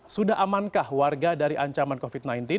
sudah amankah warga dari ancaman covid sembilan belas